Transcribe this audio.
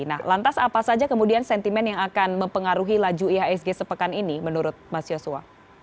nah lantas apa saja kemudian sentimen yang akan mempengaruhi laju ihsg sepekan ini menurut mas yosua